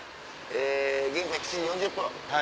え現在７時４０分。